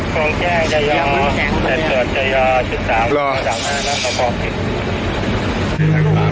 พร้อมแจ้งจะยอตรงโตรดจะยอจุดตามพร้อม